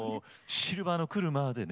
「シルバーの車」でね。